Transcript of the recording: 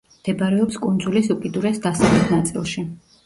მდებარეობს კუნძულის უკიდურეს დასავლეთ ნაწილში.